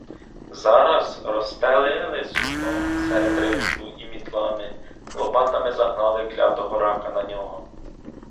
Зараз розстелили сукно серед ринку і мітлами, лопатами загнали клятого рака на нього.